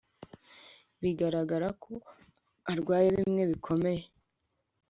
bigararaga ko arwaye bimwe bikomeye,